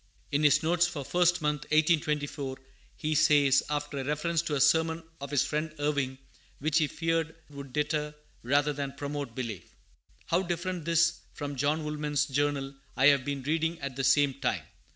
In his notes for First Month, 1824, he says, after a reference to a sermon of his friend Irving, which he feared would deter rather than promote belief: "How different this from John Woolman's Journal I have been reading at the same time!